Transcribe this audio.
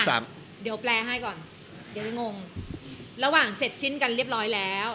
ระหว่างเสร็จชิ้นกันเรียบร้อยแล้ว